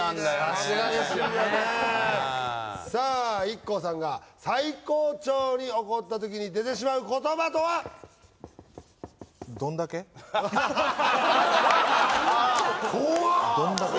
さすがですよさあＩＫＫＯさんが最高潮に怒った時に出てしまう言葉とはこわっどんだけ？